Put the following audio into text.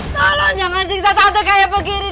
tolong jangan jingsat aku kayak begini diego